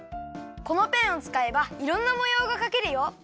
このペンをつかえばいろんなもようがかけるよ。